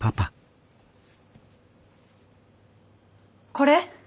これ？